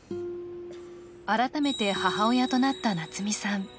改めて母親となった夏美さん。